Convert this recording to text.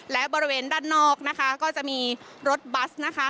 และบริเวณด้านนอกนะคะก็จะมีรถบัสนะคะ